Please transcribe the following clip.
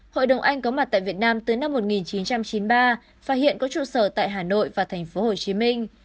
hội đồng anh có mặt tại việt nam tới năm một nghìn chín trăm chín mươi ba và hiện có trụ sở tại hà nội và thành phố hồ chí minh